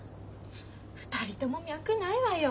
２人とも脈ないわよ。